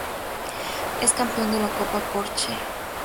Es campeón de la Copa Porsche.